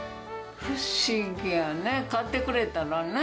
不思議やね、買ってくれたらね。